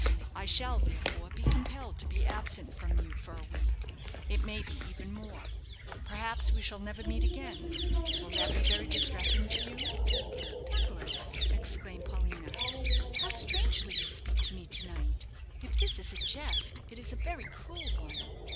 I shall, therefore, be compelled to be absent from you for a week; it may be even more. Perhaps we shall never meet again. Will that be very distressing to you?" "Douglas," exclaimed Paulina, "how strangely you speak to me to night! If this is a jest, it is a very cruel one."